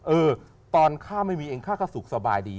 เออตอนข้าไม่มีเองข้าก็สุขสบายดี